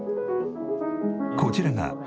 こちらが。